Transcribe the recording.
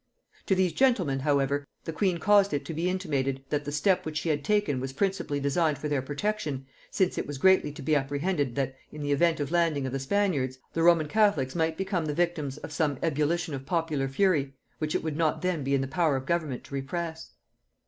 To these gentlemen, however, the queen caused it to be intimated, that the step which she had taken was principally designed for their protection, since it was greatly to be apprehended that, in the event of landing of the Spaniards, the Roman catholics might become the victims of some ebullition of popular fury which it would not then be in the power of government to repress.